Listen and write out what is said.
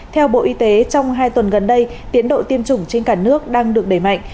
theo bộ y tế trong hai tuần gần đây tiến độ tiêm chủng trên cả nước đang được đẩy mạnh